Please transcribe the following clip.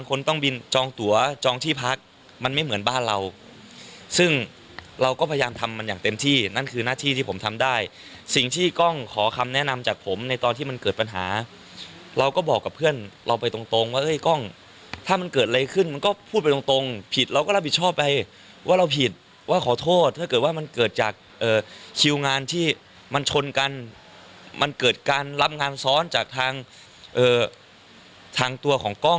คนต้องบินจองตั๋วจองที่พักมันไม่เหมือนบ้านเราซึ่งเราก็พยายามทำมันอย่างเต็มที่นั่นคือหน้าที่ที่ผมทำได้สิ่งที่กล้องขอคำแนะนำจากผมในตอนที่มันเกิดปัญหาเราก็บอกกับเพื่อนเราไปตรงตรงว่าเอ้ยกล้องถ้ามันเกิดอะไรขึ้นมันก็พูดไปตรงตรงผิดเราก็รับผิดชอบไปว่าเราผิดว่าขอโทษถ้าเกิดว